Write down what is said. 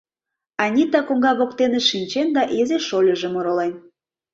Анита коҥга воктене шинчен да изи шольыжым оролен.